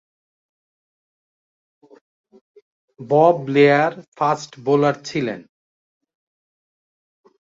Bob Blair fast bowler ছিলেন।